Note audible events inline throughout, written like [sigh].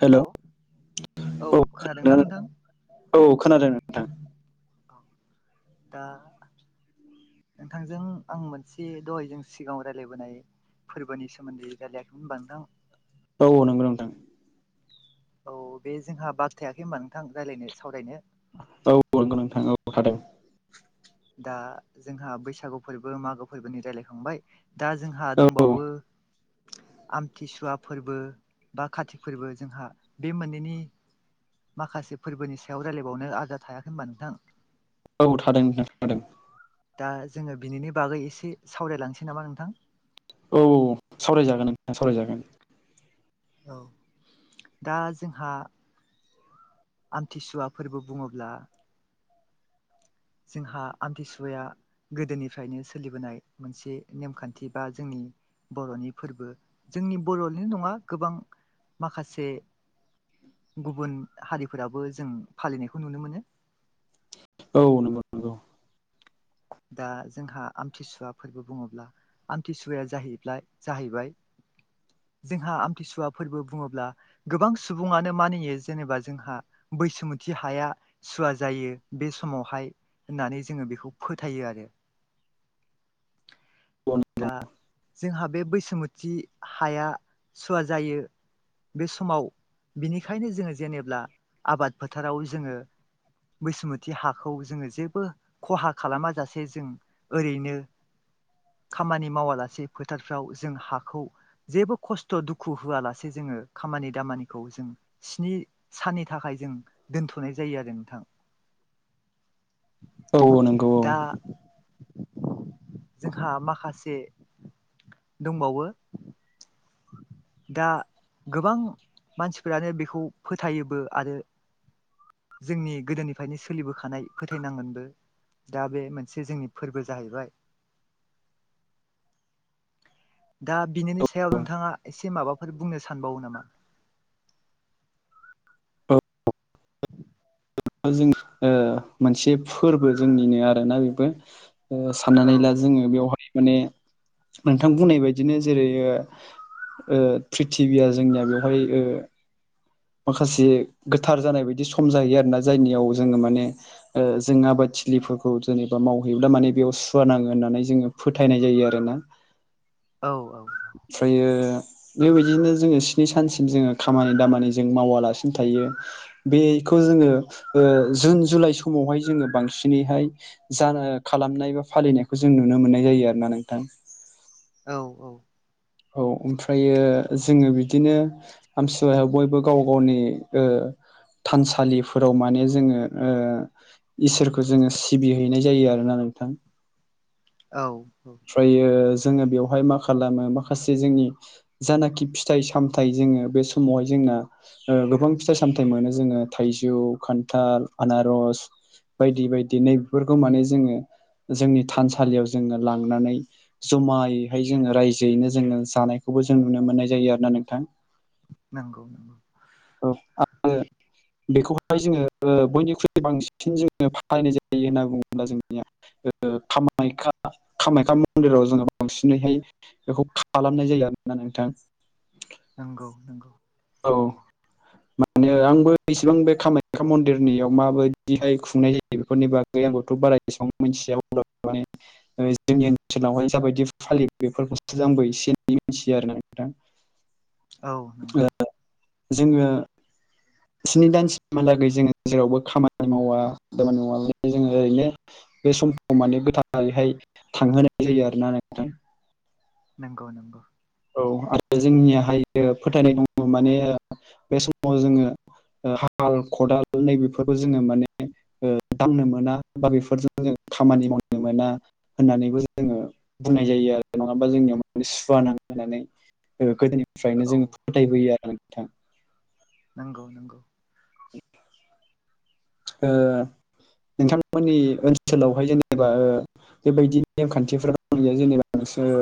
हेल' hello औ खोनादोंना नोंथां? औ खोनादों नोंथां दा नोंथांजों आं मोनसे दहायजों सिगाङाव रायज्लायबोनाय फोरबोनि सोमोन्दै रायलायाखैमोन होनबा नोंथां। औ नोंगौ नोंथां। औ बे जोंहा बाखथायाखै होनबा नोंथां रायज्लायनो सावरायनो औ नंगौ नोंथां थादों। दा जोंहा बैसागु फोरबो मागो फोरबोनि रायज्लायखांबाय दा जोंहा औ दंबावो आमथिसुवा फोरबो बा कारतिक फोरबो जोंहा बे मोननैनि माखासे फोर्बोनि सायाव रायज्लायबावनो आद्रा थायाखै होनबा नोंथां। औ थादों नोंथां थादों। दा जोङो बिनि बागै एसे सावरायलांनोसै नामा नोंथां। औ औ सावरायजागोन नोंथां सावरायजागोन। औ दा जोंहा आमथिसुवा फोरबो बुङोब्ला जोंहा आमथिसुवाया गोदोनिफ्रायनो सोलिबोनाय मोनसे नेमखान्थि बा जोंनि बर'नि फोरबो जोंनि बर'निल' नङा गोबां माखासे गुबुन हारिफोराबो जों फालिनायखौ नुनो मोनो औ नंगौ‌ दा जोंहा आमथिसुवा फोरबो बुङोब्ला आमथिसुवाया जाहैबाय जाहैबाय जोंहा आमथिसुवा फोरबो बुङोब्ला गोबां सुबुङानो मानियो जेनेबा जोंहा बैसुमुथि हाया सुवा जायो बे समावहाय होननानै जोङो बेखौ फोथायो आरो औ दा नंगौ जोंहा बे बैसुमुथि हाया सुवा जायो। बे समाव बिनिखायनो जोङो जेनेब्ला आबाद फोथाराव जोङो बैसोमुति हाखौ जोङो जेबो खहा खालामाजासे जों ओरैनो खामानि मावालासे फोथारफ्राव जों हाखौ जेबो खस्थ' दुखु होआलासे जोङो खामानि दामानिखौ जों स्नि साननि थाखाय जों दोनथ'नाय जायो आरो नोंथां। औ औ नंगौ दा औ जोंहा माखासे माखासे दंबावो दा गोबां मानसिफोरानो बेखौ फोथायोबो आरो जोंनि गोदोनिफ्रायनो सोलिबोखानाय फोथायनांगोनबो दा बे मोनसे जोंनि फोरबो जाहैबाय दा बिनिनो सायाव नोंथाङा एसे माबाफोर बुंनो सानबावो नामा? औ जों ओ मोनसे फोरबो जोंनिनो आरोना बेबो। ओ औ साननानै ला जोङो बेवहाय माने नोंथां बुंनाय बायदिनो जेरै ओ ओ प्रिथिबिया जोंनिया बेवहाय ओ माखासे गोथार जानाय बायदि सम जाहैयो आरोना जायनियाव जोङो माने ओ जों आबादथिलिफोरखौ जेनेबा मावहैब्ला माने बेयाव सुवा नाङो होननानै जोङो फोथायनाय जायो आरोना। औ औ। ओमफ्रायो बेबायदिनो जोङो स्नि सानसिम जोङो खामानि दामानि जों मावालासिनो थायो। बेखौ जोङो ओ जुन जुलाइ समावहाय जोङो बांसिनैहाय जानो खालामनाय बा फालिनायखौ जों नुनो मोननाय जायो आरो ना नोंथां। औ औ। औ ओमफ्रायो जोङो बिदिनो आमथिसुवायाव बयबो गाव गावनि ओ थानसालिफोराव माने जोङो ओ इसोरखौ जोङो सिबिहैनाय जायो आरोना नोंथां। औ। ओमफ्रायो जोङो बेवहाय मा खालामो माखासे जोंनि जानाखि फिथाइ सामथायाइ जोङो बे समावहाय जोंना ओ गोबां फिथाइ सामथाइ मोनो जोङो थाइजौ खान्थाल आनारस बायदि बायदि नै बेफोरखौ माने जोङो जोंनि थानसालियाव जोङो लांनानै जमायैहाय जोङो रायजोयैनो जोङो जानायखौबो जों नुनो मोननाय जायो आरोना नोंथां। नंगौ। औ [unintelligible] बेखौहाय जोङो ओ बयनिख्रुइबो बांसिन जोङो फालिनाय जायो होनना बुंङोब्ला जोंनिया कामाख्या कामाख्या मन्दिराव जोङो बांसिनैहाय बेखौ खालामनाय जायो आरोना नोंथां। नंगौ नंगौ। औ। माने आंबो इसेबां बे कामाख्या मन्दिरनियाव माबायदिहाय खुंनाय जायो बेफोरनि बा गै आंखौथ' बारा एसेबां मिथिया माने जोंनि ओनसोलावहाय जाबायदि फालियो बेफोरखौसो जांबो एसे एनै मिथियो आरोना नोंथां। औ नंगौ। ओ जोङो स्नि दानसिमहालागै जोङो जेरावबो खामानि मावा खामानि मावा ओमफाय जोङो ओरैनो बे समाव माने गोथारैहाय थांहोनाय जायो आरोना नोंथां। नंगौ नंगौ। औ आरो जोंनियाहायो फोथायनाय दंङ माने बे समाव जोङो ओ हाल खदाल नैबेफोरखौ जोङो माने मावनो दांनो मोना बा बेफोरजों जों खामानि मावनो मोना। होननानैबो जोङो बुंनाय जायो आरो नङाबा जोंनियाव माने सुवा नाङो। होननानै गोदोनिफ्रायनो औ जोङो फोथायबोयो आरो नोंथां। नंगौ नंगौ। ओ नोंथांमोननि ओनसोलावहाय जेनेबा ओ बेबायदि नेमखान्थिफोरा गैया जेनेबा नोंसोर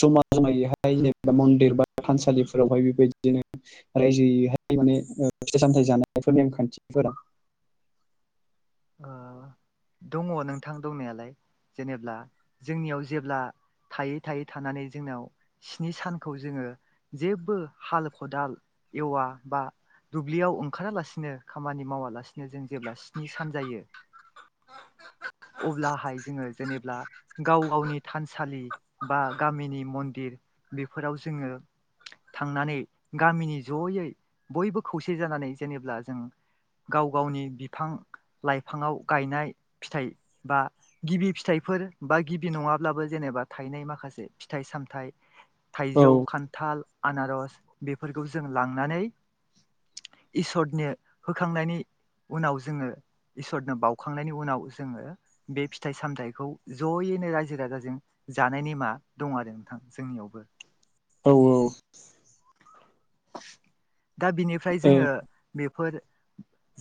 जमा जमायैहाय जेनेबा मन्दिर बा थानसालिफोरावहाय बेबायदिनो रायजोयै हाय माने ओ फिथाइ सामथाय जानायफोर नेमखान्थिफोरा ओ दंङ नोंथां दंनायालाय जेनेब्ला? जोंनियाव जेब्ला थायै थायै थानानै जोंनाव स्नि सानखौ जोङो जेबो हाल खदाल एवा बा दुब्लियाव ओंखारालासिनो खामानि मावालासिनो जों जेब्ला स्नि सान जायो अब्लाहाय जोङो जेनेब्ला गाव गावनि थानसालि बा गामिनि मन्दिर बेफोराव जोङो थांनानै गामिनि जयै बयबो खौसे जानानै जेनेब्ला जों गाव गावनि बिफां लाइफाङाव गायनाय फिथाइ बा गिबि फिथाइफोर बा गिबि नङाब्लाबो जेनेबा थायनाय माखासे फिथाइ सामथाइ औ थाइजौ खान्थाल आनारस बेफोरखौ जों लांनानै इसोरनो होखांनायनि उनाव जोङो इसोरनो बाउखांनायनि उनाव जोङो बे फिथाइ सामथाइखौ जयैनो रायजो राजाजों जानाय नेमा दं आरो नोंथां जोंनियावबो। औ औ। दा बिनिफ्राय जोङो बेफोर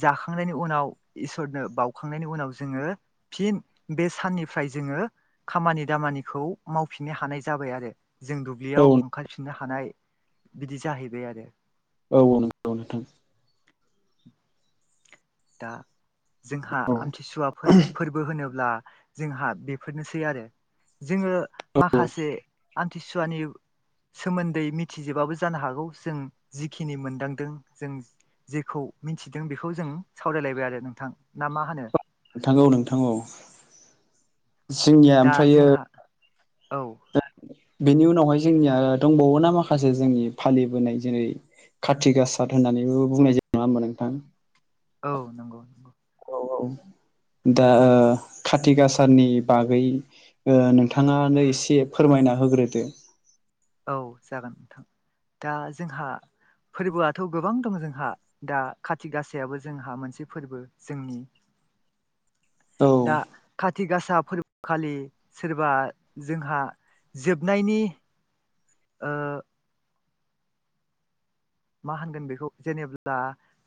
जाखांनायनि उनाव इसोरनो बाउखांनायनि उनाव जोङो फिन बे साननिफ्राय जोङो खामानि दामानिखौ मावफिननो हानाय जाबाय आरो जों दु ओ ब्लियाव ओंखारफिननो हानाय बिदि जाहैबाय आरो। औ औ नंगौ नोंथां। दा जोंहा औ आमथिसुवा फोर-फोरबो होनोब्ला जोंहा बेफोरनोसै आरो। जोङो औ माखासे आमथिसुवानि सोमोन्दै मिथिजोबाबो जानो हागौ जों जिखिनि मोनदांदों, जों जेखौ मिथिदों बेखौ जों सावरायलायबाय आरो नोंथां ना मा होनो? नोंथां औ नोंथां औ। जोंनिया दा जोंहा औ दा बेनि उनावहाय जोंनिया दंबावोना माखासे जोंनि फालिबोनाय जेरै काति गासाद होननानैबो बुंनाय जायो नङा होमबा नोंथां? औ नंगौ। दा ओ काति गासानि बागै ओ नोंथाङानो एसे फोरमायना होग्रोदो। औ जागोन नोंथां। दा जोंहा फोरबोआथ' गोबां दं जोंहा। दा खाथि गासायाबो जोंहा मोनसे फोरबो जोंनि। औ दा खाथि गासा फोर बो खालि सोरबा जोंहा जोबनायनि ओ मा होनगोन बेखौ जेनेब्ला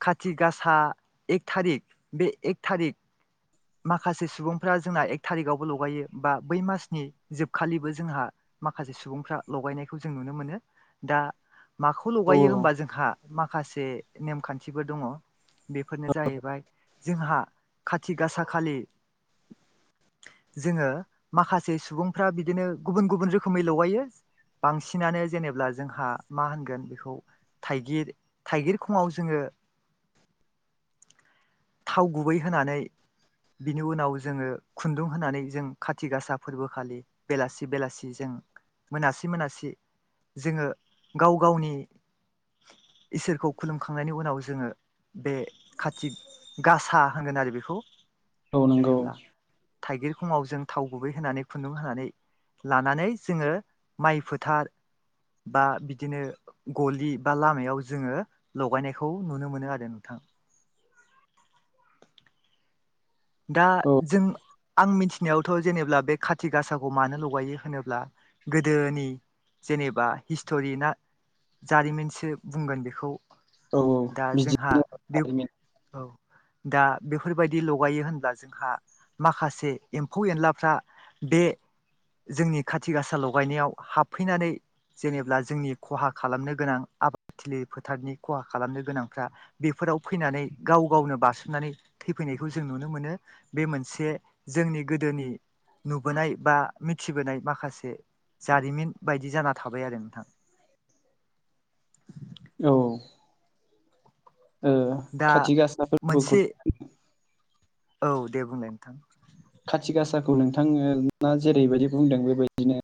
खाथि गासा एक थारिख, बे एक थारिख माखासे सुबुंफ्रा जोंना एक थारिकावबो लगायो बा बै मासनि जोबखालिबो जोंहा माखासे सुबुंफ्रा लगायनायखौ जों नुनो मोनो दा माखौ औ लगायो होमबा जोंहा माखासे नेमखान्थिबो दङ, बेफोरनो जाहैबाय जोंहा खाथि गासा खालि जोङो माखासे सुबुंफ्रा बिदिनो गुबुन गुबुन रोखोमै लगायो बांसिनानो जेनेब्ला जोंहा मा होनगोन बेखौ थाइगिर थाइगिर खङाव जोङो थाव गुबै होनानै बिनि उनाव जोङो खुन्दुं होनानै जों खाथि गासा फोरबो खालि बेलासि बेलासि जों मोनासि मोनासि जोङो गाव गावनि इसोरखौ खुलुमखांनायनि उनाव जोङो बे काति गासा होनगोन आरो बेखौ औ नंगौ जेनेब्ला थाइगिर खङाव जों थाव गुबै होनानै, खुन्दुं होनानै लानानै जोङो माइ फोथार बा बिदिनो गलि बा लामायाव जोङो लगायनायखौ नुनो मोनो आरो नोंथां। दा औ जों आं मिथिनायावथ' जेनेब्ला बे खाथि गासाखौ मानो लगायो होनोब्ला गोदोनि जेनेबा हिस्ट'रि ना जारिमिनसो बुंगोन बेखौ औ औ दा जोंहा बिदिनो बे औ दा बेफोरबायदि ल लगायो होनब्ला जोंहा माखासे एम्फौ एनलाफ्रा बे जोंनि खाथि गासा लगायनायाव हाबफैनानै जेनेब्ला जोंनि खहा खालामनो गोनां आबादथिलि फोथारनि खहा खालामनो गोनांफ्रा बेफोराव फैनानै गाव गावनो बारसोमनानै थैफैनाय खौ जों नुनो मोनो बे मोनसे जोंनि गोदोनि नुबोनाय बा मिथिबोनाय माखासे जारिमिन बायदि जाना थाबाय आरो नोंथां। औ। ओ दा खाथि गासा फोरबोखौ मोनसे औ दे बुंलाय नोंथां खाथि गासाखौ नोंथाङा जेरै बायदि बुंदों बेबायदिनो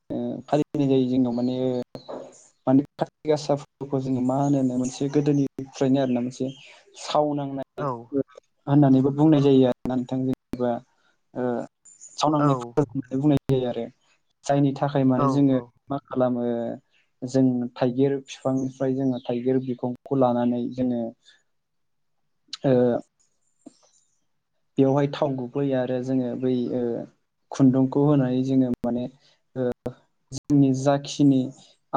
फालिनाय जायो जोंनाव माने माने खाथि गासा फोरबोखौ जोङो मा होनोनो मोनसे गोदोनिफ्रायनो आरोना मोनसे साव नांनाय औ। होननानैबो बुंनाय जायो आरोना नोंथां जेनेबा ओ साव औ नांनाय होननानै बुंनाय जायो आरो जायनि थाखाय माने औ जोङो औ मा खालामो जों थाइगिर फिफांनिफ्राय जोङो थाइगिर बिखंखौ लानानै जोङो ओ बेवहाय थाव गुबै आरो जोङो बै ओ खुन्दुंखौ होनानै जोङो माने ओ जोंनि जाखिनि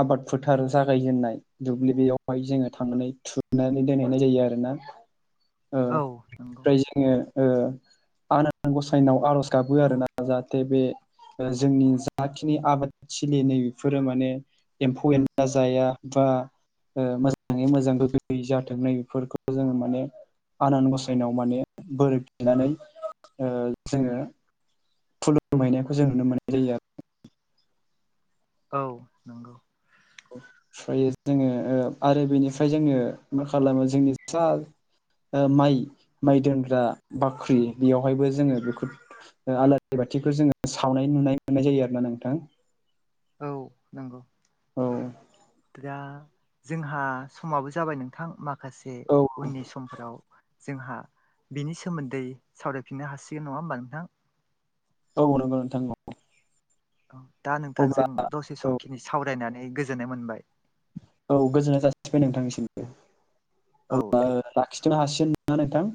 आबाद फोथार जागाय जेेननाय दुब्लि बेयावहाय जोङो थांनानै थुनानै दोनहैनाय जायो आरोना। [inaudible] ओ नंगौ ओमफ्राय जोङो ओ आनान गसायनाव आर'ज गाबो आरोना जाहाथे बे ओ जोंनि जाखिनि आबादथिलि नै बेफोरो माने एम्फौ एनला जाया बा ओ मोजाङै मोजां गोग्गोयै जाथों नै बेफोरखौ जोङो माने आनान गसाइनाव माने बोर बिनानै ओ जोङो खुलुमहैनायखौ जों नुनो मोननाय जायो आरो। औ नंगौ। ओमफ्राय जोङो ओ आरो बेनिफ्राय जोङो मा खालामो जोंनि ओ माइ माइ दोनग्रा बाख्रि बेयावहायबो जोङो बेखौ ओ आलारि बाथिखौ जोङो सावनाय नुनाय मोननाय जायो आरोना नोंथां। औ नंगौ। औ। दा जोंहा समाबो जाबाय नोंथां माखासे औ उननि समफोराव जोंहा बिनि सोमोन्दै सावरायफिननो हासिगोन नङा होमबा नोंथां। औ नंगौ नोंथां। औ दा अब्ला नोंथांजों दसे औ समखिनि सावरायनानै गोजोननाय मोनबाय। औ गोजोननाय जासिबाय नोंथांनिसिमबो औ दे। अब्ला खिथानो हासिगोन होननानै नोंथां।